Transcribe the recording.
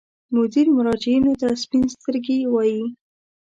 مدیر مراجعینو ته سپین سترګي وایي.